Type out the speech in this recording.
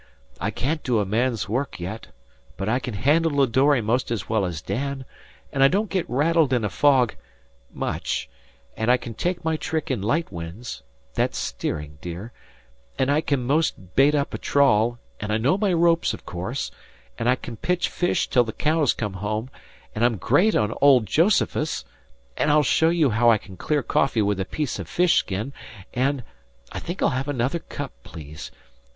I can't do a man's work yet. But I can handle a dory 'most as well as Dan, and I don't get rattled in a fog much; and I can take my trick in light winds that's steering, dear and I can 'most bait up a trawl, and I know my ropes, of course; and I can pitch fish till the cows come home, and I'm great on old Josephus, and I'll show you how I can clear coffee with a piece of fish skin, and I think I'll have another cup, please.